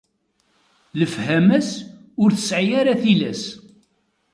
Lefhama-s ur tesɛi ara tilas.